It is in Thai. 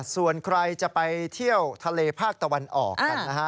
ส่วนใครจะไปเที่ยวทะเลภาคตะวันออกกันนะฮะ